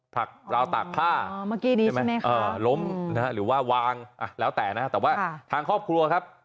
ผลักราวตักผ้าล้มหรือว่าวางแล้วแต่นะครับแต่ว่าทางครอบครัวครับ